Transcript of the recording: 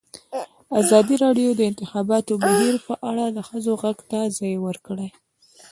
ازادي راډیو د د انتخاباتو بهیر په اړه د ښځو غږ ته ځای ورکړی.